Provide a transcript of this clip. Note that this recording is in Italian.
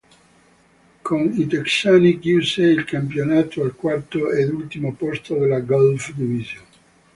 Con i texani chiuse il campionato al quarto ed ultimo posto della Gulf Division.